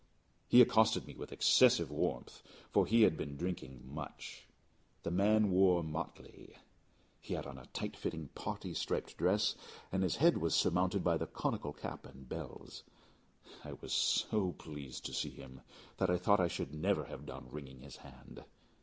He accosted me with excessive warmth, for he had been drinking much. The man wore motley. He had on a tight fitting parti striped dress, and his head was surmounted by the conical cap and bells. I was so pleased to see him, that I thought I should never have done wringing his hand.